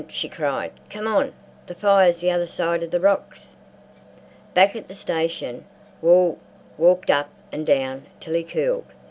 she cried, "come on! The fire's the other side of the rocks!" Back at the station, Wall walked up and down till he cooled.